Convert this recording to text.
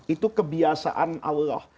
itu kebiasaan allah